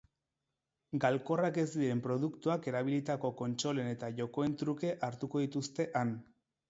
Galkorrak ez diren produktuak erabilitako kontsolen eta jokoen truke hartuko dituzte han.